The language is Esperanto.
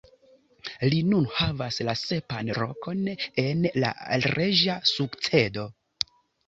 Li nun havas la sepan lokon en la reĝa sukcedo.